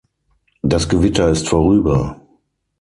Das Gewitter ist vorüber.